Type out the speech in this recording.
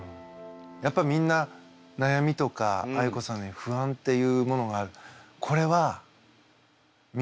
やっぱみんな悩みとかあいこさんのように不安っていうものがある。